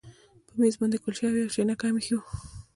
په میز باندې کلچې او یو چاینک هم ایښي وو